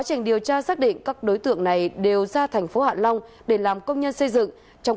trình điều tra xác định các đối tượng này đều ra thành phố hạ long để làm công nhân xây dựng trong